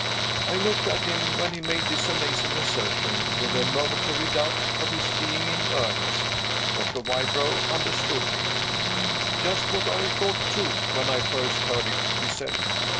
I looked at him, when he made this amazing assertion, with a momentary doubt of his being in earnest. Doctor Wybrow understood me. "Just what I thought, too, when I first heard it!" he said.